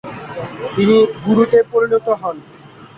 তিনি গুরুতে পরিনত হন।